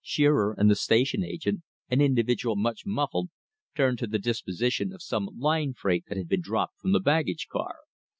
Shearer and the station agent, an individual much muffled, turned to the disposition of some light freight that had been dropped from the baggage car.